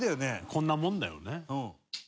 「こんなもんだよね」